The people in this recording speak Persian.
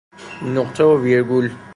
نقطه و ویرگول